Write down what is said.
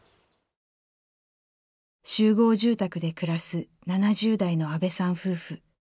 集合住宅で暮らす７０代の安部さん夫婦。